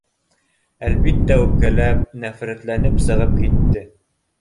Әлбиттә, үпкәләп, нәфрәтләнеп сығып китте